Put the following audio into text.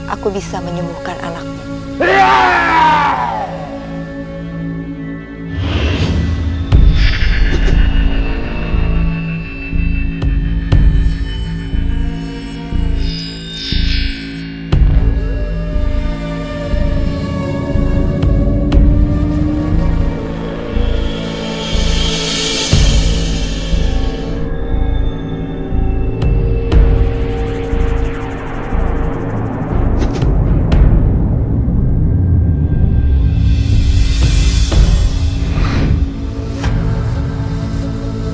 aku bisa menyembuhkan anakmu